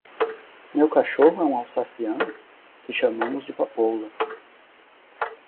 Meu cachorro é um alsaciano? que chamamos de "papoula".